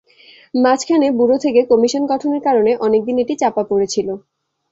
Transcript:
মাঝখানে ব্যুরো থেকে কমিশন গঠনের কারণে অনেক দিন এটি চাপা পড়ে ছিল।